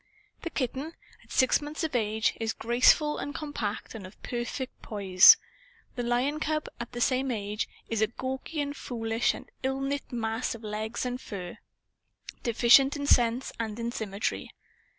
The kitten, at six months of age, is graceful and compact and of perfect poise. The lion cub, at the same age, is a gawky and foolish and ill knit mass of legs and fur; deficient in sense and in symmetry.